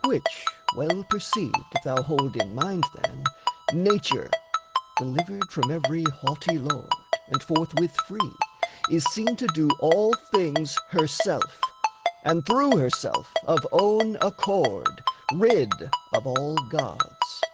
Which well perceived if thou hold in mind, Then Nature, delivered from every haughty lord, And forthwith free, is seen to do all things Herself and through herself of own accord, Rid of all gods.